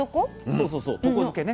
そうそうそう床漬けね。